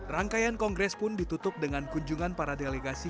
rangkaian kongres pun ditutup dengan kunjungan para delegasi